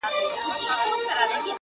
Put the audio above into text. مثبت فکر د شکونو ورېځې خوروي,